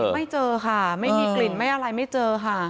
ไม่เจอค่ะไม่มีกลิ่นไม่อะไรไม่เจอค่ะ